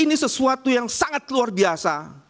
ini sesuatu yang sangat luar biasa